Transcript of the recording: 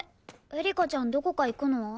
エリカちゃんどこか行くの？